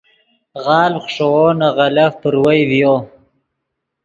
غالڤ خشوؤ نے غلف پروئے ڤیو